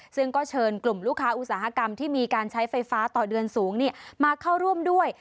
ซึ่งก็เชิญกลุ่มลูกค้าอุตสาหกรรมที่มีการใช้ไฟฟ้าต่อเดือนสูงมาเข้าร่วมด้วย